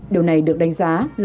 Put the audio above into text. điều này được đánh giá là